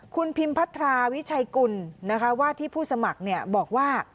คุณพิมพัทธาวิชัยกุลนะคะว่าที่ผู้สมัครเนี่ยบอกว่า